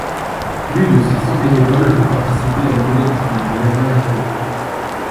Plus de six cents bénévoles ont participé à la collecte dans les magasins Carrefour.